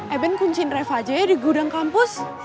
eben kuncin reva aja ya di gudang kampus